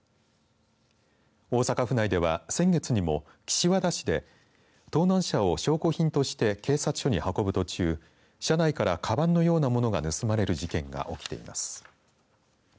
大阪府内では、先月にも岸和田市で盗難車を証拠品として警察署に運ぶ途中車内から、かばんのようなものが盗まれる事件が起きています。